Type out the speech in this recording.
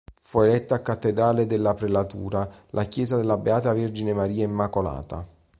Fu eretta a cattedrale della prelatura la Chiesa della Beata Maria Vergine Immacolata.